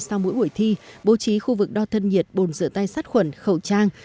sau mỗi buổi thi bố trí khu vực đo thân nhiệt bồn rửa tay sát khuẩn khẩu trang